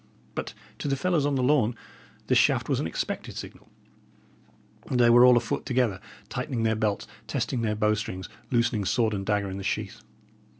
But to the fellows on the lawn, this shaft was an expected signal. They were all afoot together, tightening their belts, testing their bow strings, loosening sword and dagger in the sheath.